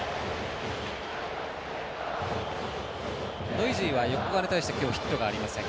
ノイジーは横川に対して今日、ヒットがありません。